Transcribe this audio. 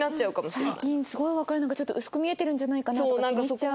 最近すごいわかるのがちょっと薄く見えてるんじゃないかなとか気にしちゃう。